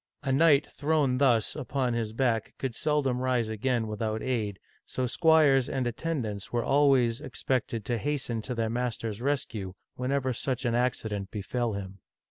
A knight thrown thus upon his back could seldom rise again without aid, so squires and attendants were always expected to hasten to their master's rescue whenever such an accident befell him.